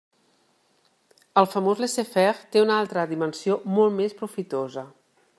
El famós laissez faire té una altra dimensió molt més profitosa.